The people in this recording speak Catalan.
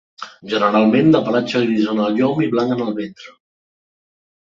Generalment, de pelatge gris en el llom i blanc en el ventre.